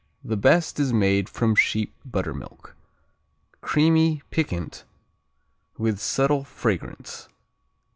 The best is made from sheep buttermilk. Creamy, piquant, with subtle fragrance.